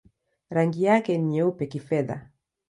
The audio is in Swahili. Rangi yake ni nyeupe-kifedha.